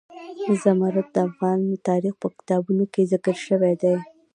زمرد د افغان تاریخ په کتابونو کې ذکر شوی دي.